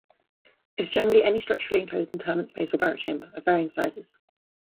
It is generally any structurally enclosed interment space or burial chamber, of varying sizes.